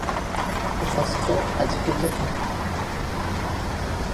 Иҟазҵо аӡәгьы дыҟам.